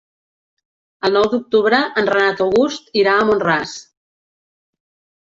El nou d'octubre en Renat August irà a Mont-ras.